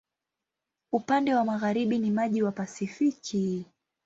Upande wa magharibi ni maji wa Pasifiki.